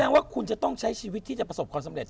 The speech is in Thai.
ว่าคุณจะต้องใช้ชีวิตที่จะประสบความสำเร็